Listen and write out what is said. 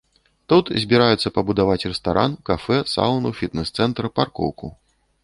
Тут збіраюцца пабудаваць рэстаран, кафэ, саўну, фітнес-цэнтр, паркоўку.